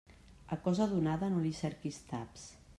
A cosa donada no li cerquis taps.